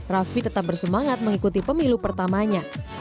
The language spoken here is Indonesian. raffi tetap bersemangat mengikuti pemilu pertamanya